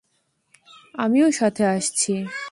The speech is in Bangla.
আমিও সাথে আসছি।